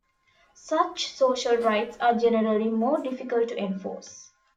Such social rights are generally more difficult to enforce.